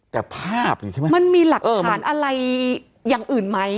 แต่ภาพนี่ใช่ไหมมันมีหลักฐานอะไรอย่างอื่นไหม